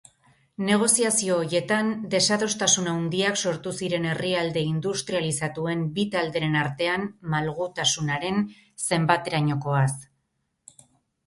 Negoziazio horietan desadostasun handiak sortu ziren herrialde industrializatuen bi talderen artean malgutasunaren zenbaterainokoaz.